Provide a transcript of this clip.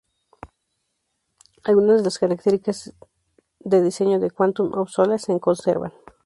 Algunas de las características de diseño de "Quantum of Solace" se conservan.